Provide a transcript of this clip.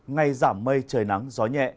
ngày giảm mây trời nắng gió nhẹ